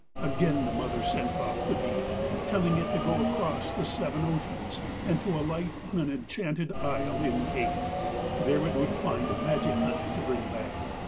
Again the mother sent off the bee, telling it to go across the seven oceans, and to alight on an enchanted isle in the eighth. There it would find magic honey to bring back.